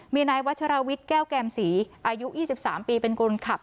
มีนายวัชราวิทย์แก้วแกรมศรีอายุอีสิบสามปีเป็นกลุ่นขับ